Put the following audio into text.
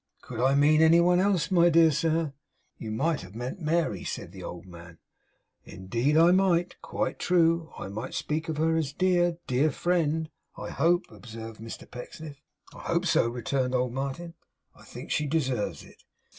Could I mean any one else, my dear sir?' 'You might have meant Mary,' said the old man. 'Indeed I might. Quite true. I might speak of her as a dear, dear friend, I hope?' observed Mr Pecksniff. 'I hope so,' returned old Martin. 'I think she deserves it.